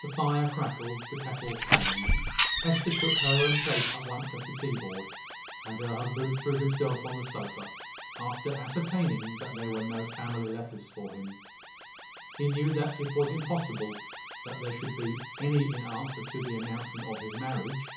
The fire crackled, the kettle sang, Hester took her own place at once at the tea board, and her husband threw himself on the sofa, after ascertaining that there were no family letters for him. He knew that it was impossible that there should be any in answer to the announcement of his marriage.